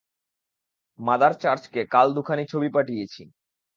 Mother চার্চকে কাল দুখানি ছবি পাঠিয়েছি।